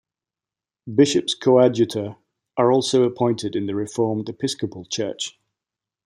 Bishops coadjutor are also appointed in the Reformed Episcopal Church.